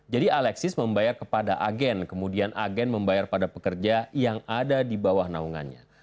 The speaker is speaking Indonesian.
jadi alexis membayar kepada agen kemudian agen membayar pada pekerja yang ada di bawah naungannya